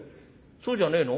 そうじゃねえの？